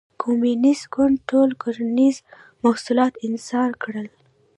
کمونېست ګوند ټول کرنیز محصولات انحصار کړل.